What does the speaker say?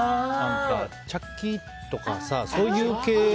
チャッキーとかさそういう系。